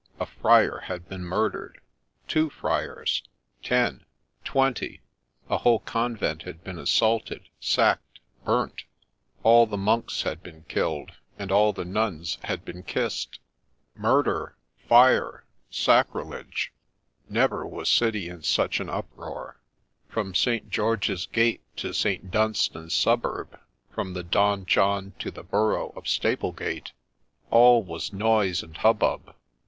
A friar had been murdered, — two friars — ten — twenty ; a whole convent had been assaulted, sacked, burnt, — all the monks had been killed, and all the nuns had been kissed ! Murder ! fire ! sacri lege ! Never waa city in such an uproar. From St. George's Gate to St. Dunstan's suburb, from the Donjon to the borough of Staplegate, all was noise and hubbub.